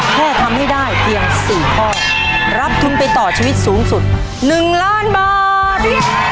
แค่ทำให้ได้เพียง๔ข้อรับทุนไปต่อชีวิตสูงสุด๑ล้านบาท